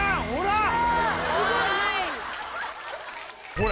ほら！